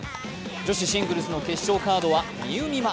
女子シングルスの決勝カードは、みうみま。